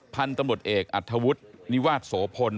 พันธุ์ตำรวจเอกอัธวุฒินิวาสโสพล